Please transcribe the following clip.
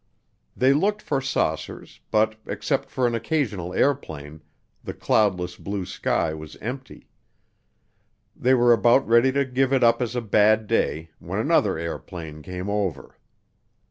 They looked for saucers, but except for an occasional airplane, the cloudless blue sky was empty. They were about ready to give it up as a bad day when another airplane came over.